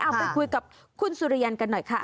ไปคุยกับคุณสุริยันกันหน่อยค่ะ